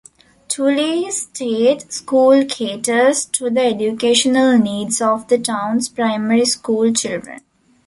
Tully State School caters to the educational needs of the town's primary school children.